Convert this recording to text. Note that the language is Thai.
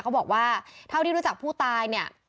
เขาบอกว่าเท่าที่รู้จักผู้ตายเนี่ย